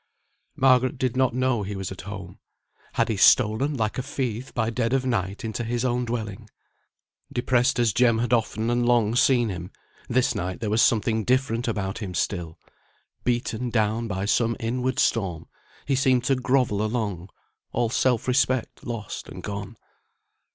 Margaret did not know he was at home: had he stolen like a thief by dead of night into his own dwelling? Depressed as Jem had often and long seen him, this night there was something different about him still; beaten down by some inward storm, he seemed to grovel along, all self respect lost and gone.